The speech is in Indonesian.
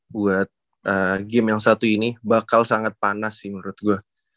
buat game yang satu ini bakal sangat panas sih menurut gue